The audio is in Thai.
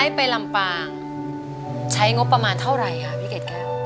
ไปลำปางใช้งบประมาณเท่าไหร่ค่ะพี่เกดแก้ว